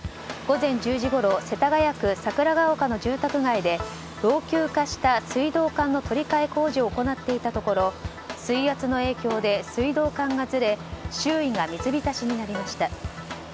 午前１０時ごろ世田谷区桜ヶ丘の住宅街で老朽化した水道管の取り替え工事を行っていたところ水圧の影響で水道管がずれ周囲が水浸しになりました。